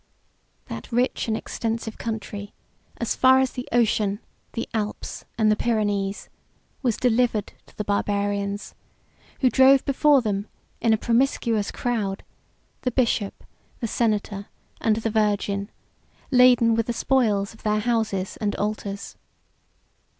That rich and extensive country, as far as the ocean, the Alps, and the Pyrenees, was delivered to the Barbarians, who drove before them, in a promiscuous crowd, the bishop, the senator, and the virgin, laden with the spoils of their houses and altars.